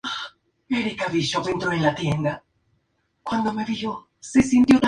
Otra es "Río Abajo".